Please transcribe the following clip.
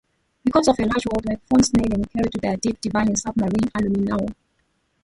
Because of her large well deck, "Fort Snelling" carried the deep diving submarine "Aluminaut".